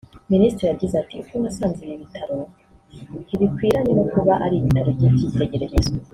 Minisitiri yagize ati “uko nasanze ibi bitaro ntibikwiranye no kuba ari ibitaro by’icyitegererezo